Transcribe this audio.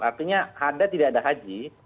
artinya ada tidak ada haji